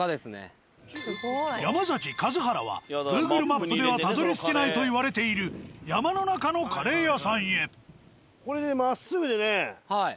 山崎・数原はＧｏｏｇｌｅマップではたどりつけないといわれている山の中のカレー屋さんへ。